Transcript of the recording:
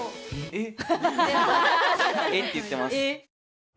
「えっ」て言ってます。